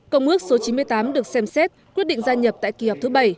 công ước số chín mươi tám được xem xét quyết định gia nhập tại kỳ họp thứ bảy